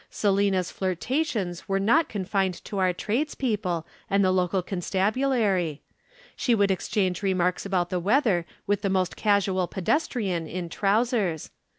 Selina's flirtations were not confined to our tradespeople and the local constabulary. She would exchange remarks about the weather with the most casual pedestrian in trousers.